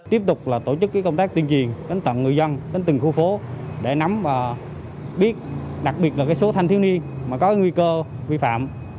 tiếp tục là tổ chức công tác tuyên truyền đến tận người dân đến từng khu phố để nắm và biết đặc biệt là số thanh thiếu niên có nguy cơ vi phạm